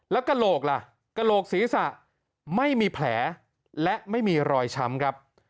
แล้วกระโหลกล่ะกระโหลกศีรษะไม่มีแผลและไม่มีรอยช้ำครับ